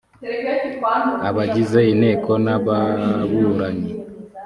abagize inteko n’ababuranyi